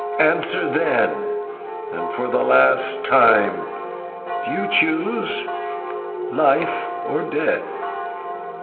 Answer then, and for the last time: Do you choose life or death?"